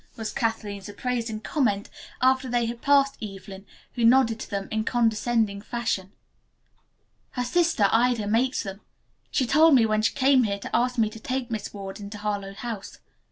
was Kathleen's appraising comment after they had passed Evelyn, who nodded to them in condescending fashion. "Her sister, Ida, makes them. She told me so when she came here to ask me to take Miss Ward into Harlowe House.